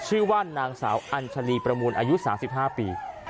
ชื่อว่านางสาวอัญชาลีประมูลอายุ๓๕ปี